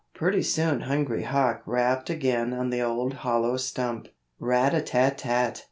Pretty soon Hungry Hawk rapped again on the old hollow stump. Rat a tat tat!